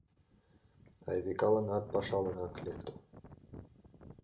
Айвикаланат паша лыҥак лекте.